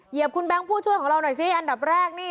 คุณแบงค์ผู้ช่วยของเราหน่อยสิอันดับแรกนี่